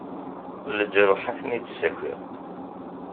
Leǧruḥ ad-ten-id-sakiɣ.